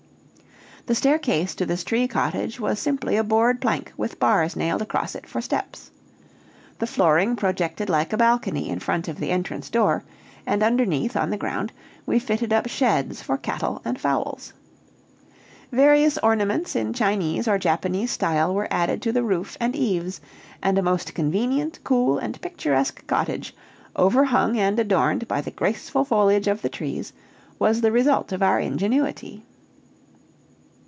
The staircase to this tree cottage was simply a board plank with bars nailed across it for steps. The flooring projected like a balcony in front of the entrance door, and underneath, on the ground, we fitted up sheds for cattle and fowls. Various ornaments in Chinese or Japanese style were added to the roof and eaves, and a most convenient, cool, and picturesque cottage, overhung and adorned by the graceful foliage of the trees, was the result of our ingenuity.